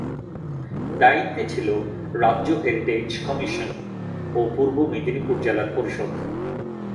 দায়িত্বে ছিল রাজ্য হেরিটেজ কমিশন ও পূর্ব মেদিনীপুর জেলা পরিষদ।